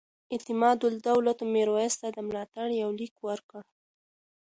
اعتمادالدولة میرویس ته د ملاتړ یو لیک ورکړ.